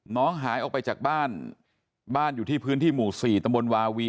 หายออกไปจากบ้านบ้านอยู่ที่พื้นที่หมู่๔ตำบลวาวี